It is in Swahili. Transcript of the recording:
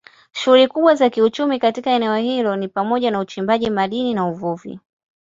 Shughuli kubwa za kiuchumi katika eneo hilo ni pamoja na uchimbaji madini na uvuvi.